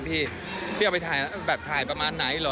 พี่พี่เอาไปถ่ายแบบถ่ายประมาณไหนเหรอ